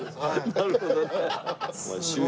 なるほどね。